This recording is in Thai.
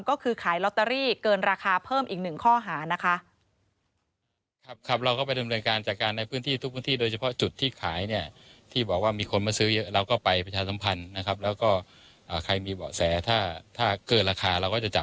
ก็คือขายลอตเตอรี่เกินราคาเพิ่มอีกหนึ่งข้อหานะคะ